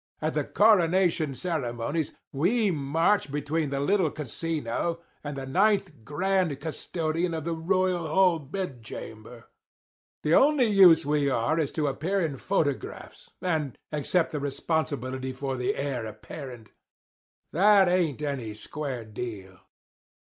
At the coronation ceremonies we march between little casino and the Ninth Grand Custodian of the Royal Hall Bedchamber. The only use we are is to appear in photographs, and accept the responsibility for the heir apparent. That ain't any square deal.